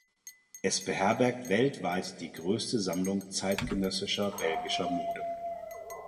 Es beherbergt weltweit die größte Sammlung zeitgenössischer belgischer Mode.